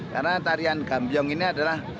karena tarian gambiong ini adalah